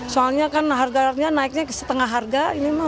soalnya kan harganya naiknya setengah harga